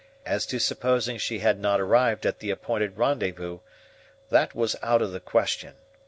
As to supposing she had not arrived at the appointed rendezvous, that was out of the question.